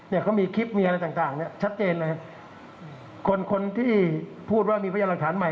เนี่ยเขามีคลิปมีอะไรต่างต่างเนี้ยชัดเจนเลยคนคนที่พูดว่ามีพยานหลักฐานใหม่